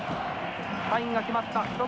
サインが決まった。